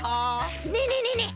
ねえねえねえねえ